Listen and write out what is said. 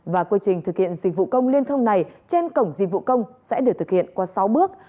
và quy trình thực hiện dịch vụ công liên thông này trên cổng dịch vụ công sẽ được thực hiện qua sáu bước